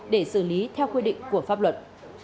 để xử lý theo quy định của pháp luật